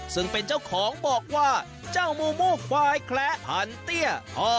ซึ่งเป็นเจ้าของบอกว่าเจ้ามูมูควายแคละพันเตี้ย